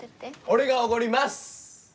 俺がおごります！